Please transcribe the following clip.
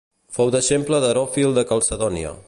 Fou deixeble d'Heròfil de Calcedònia.